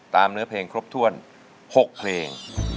เนื้อเพลงครบถ้วน๖เพลง